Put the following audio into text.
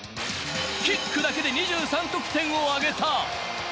キックだけで２３得点を挙げた。